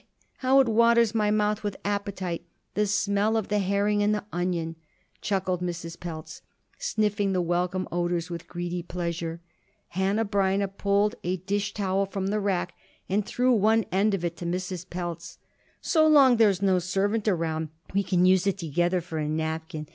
_ how it waters my mouth with appetite, the smell of the herring and onion!" chuckled Mrs. Pelz, sniffing the welcome odors with greedy pleasure. Hanneh Breineh pulled a dish towel from the rack and threw one end of it to Mrs. Pelz. "So long there's no servant around, we can use it together for a napkin.